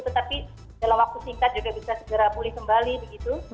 tetapi dalam waktu singkat juga bisa segera pulih kembali begitu